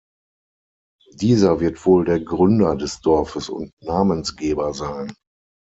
Dieser wird wohl der Gründer des Dorfes und Namensgeber sein.